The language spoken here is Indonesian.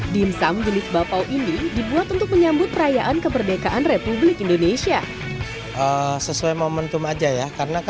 dimsum jenis bapau ini dibuat untuk menyambut perayaan kemerdekaan republik indonesia